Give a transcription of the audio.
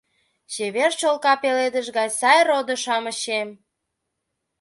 Чевер чолка пеледыш гай сай родо-шамычем